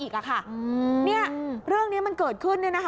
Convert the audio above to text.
อีกอ่ะค่ะเนี่ยเรื่องนี้มันเกิดขึ้นเนี่ยนะคะ